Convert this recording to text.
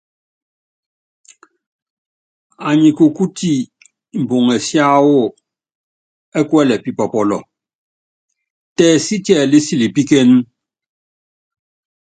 Anyi kukúti imbuŋɛ siáwɔ ɛ́ kuɛlɛ pipɔpɔlɔ, tɛɛ sítiɛlí silipíkéne.